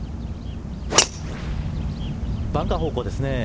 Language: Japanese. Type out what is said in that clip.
バンカー方向ですね。